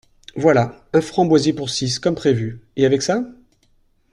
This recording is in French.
Voilà, un framboisier pour six, comme prévu. Et avec ça?